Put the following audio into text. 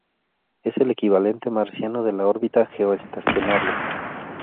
Es el equivalente marciano de la órbita geoestacionaria.